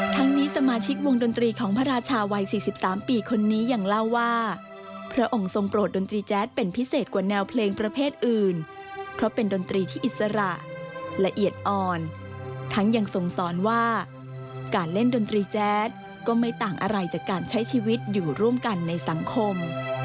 ทั้งนี้สมาชิกวงดนตรีของพระราชาวัย๔๓ปีคนนี้ยังเล่าว่าพระองค์ทรงโปรดดนตรีแจ๊ดเป็นพิเศษกว่าแนวเพลงประเภทอื่นเพราะเป็นดนตรีที่อิสระละเอียดอ่อนทั้งยังทรงสอนว่าการเล่นดนตรีแจ๊ดก็ไม่ต่างอะไรจากการใช้ชีวิตอยู่ร่วมกันในสังคม